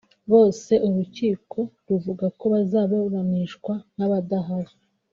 bose urukiko ruvuga ko bazaburanishwa nk’abadahari